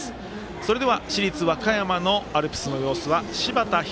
それでは、市立和歌山のアルプスの様子は柴田拡